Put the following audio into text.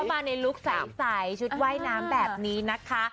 มาในลุคใสชุดว่ายน้ำแบบนี้นะคะ